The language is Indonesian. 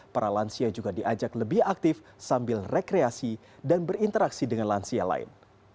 para lansia juga diajak lebih aktif sambil rekreasi dan berinteraksi dengan lansia lain